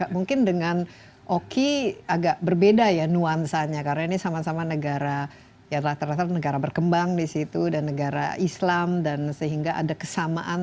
mungkin dengan oki agak berbeda ya nuansanya karena ini sama sama negara ya rata rata negara berkembang di situ dan negara islam dan sehingga ada kesamaan